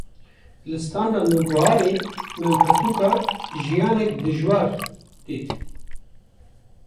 li standa Nûbiharê min pirtûka “Jiyanek Dijwar” dît